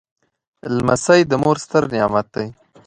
لمسی د مور ستر نعمت دی.